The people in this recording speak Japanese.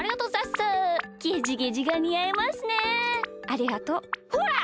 ありがとう。ほら！